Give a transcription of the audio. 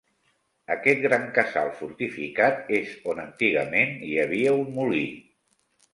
Aquest gran casal fortificat és on antigament hi havia un molí.